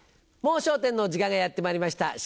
『もう笑点』の時間がやってまいりました。